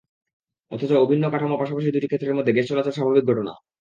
অথচ অভিন্ন কাঠামোর পাশাপাশি দুটি ক্ষেত্রের মধ্যে গ্যাস চলাচল স্বাভাবিক ঘটনা।